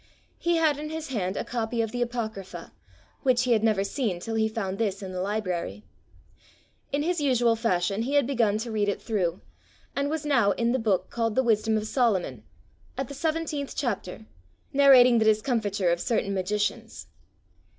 He had in his hand a copy of the Apocrypha, which he had never seen till he found this in the library. In his usual fashion he had begun to read it through, and was now in the book called the Wisdom of Solomon, at the 17th chapter, narrating the discomfiture of certain magicians.